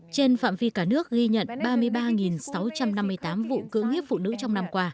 trên phạm vi cả nước ghi nhận ba mươi ba sáu trăm năm mươi tám